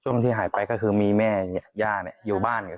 ที่หายไปก็คือมีแม่ย่าเนี่ยอยู่บ้านกัน